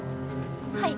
はい。